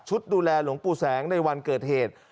ดูแลหลวงปู่แสงในวันเกิดเหตุ